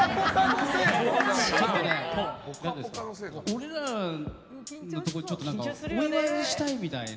俺らのところにお祝いしたいみたいな。